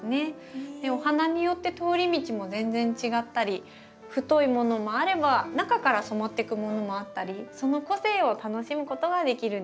お花によって通り道も全然違ったり太いものもあれば中から染まってくものもあったりその個性を楽しむことができるんです。